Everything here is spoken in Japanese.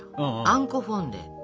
あんこフォンデュ。